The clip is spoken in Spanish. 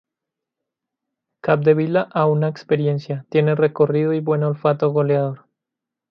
Capdevila aúna experiencia, tiene recorrido, y buen olfato goleador.